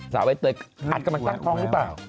สาวใบเตยอาจจะมาตั้งท้องหรือเปล่า